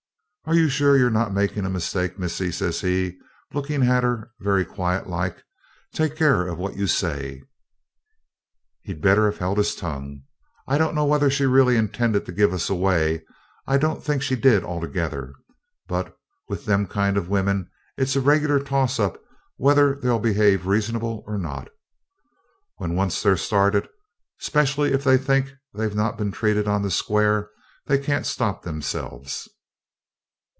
'Are you sure you're not making a mistake, missis?' says he, looking at her very quiet like. 'Take care what you say.' He'd better have held his tongue. I don't know whether she really intended to give us away. I don't think she did altogether; but with them kind of women it's a regular toss up whether they'll behave reasonable or not. When they're once started, 'specially if they think they've not been treated on the square, they can't stop themselves.